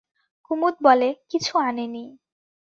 কুমুদ বলে, কিছু আনিনি।